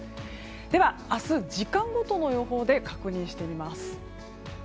では、明日時間ごとの予報で確認してみます。